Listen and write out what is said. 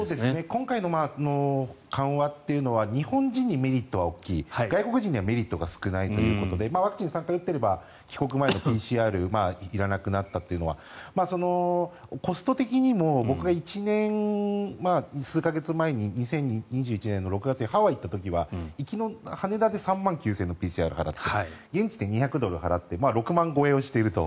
今回の緩和っていうのは日本人にメリットは大きい外国人にはメリットが少ないということでワクチン３回打っていれば帰国前のＰＣＲ検査がいらなくなったというのはコスト的にも僕が１年数か月前に２０２１年の６月にハワイに行った時は行きの羽田で３万９０００円のＰＣＲ払って現地で２００ドル払って６万超えをしていると。